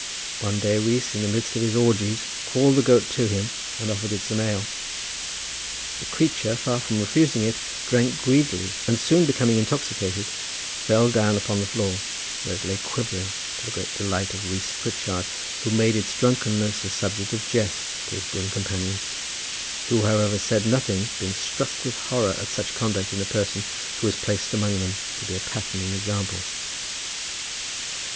One day Rees in the midst of his orgies called the goat to him and offered it some ale; the creature, far from refusing it, drank greedily, and soon becoming intoxicated fell down upon the floor, where it lay quivering, to the great delight of Rees Pritchard, who made its drunkenness a subject of jest to his boon companions, who, however, said nothing, being struck with horror at such conduct in a person who was placed among them to be a pattern and example.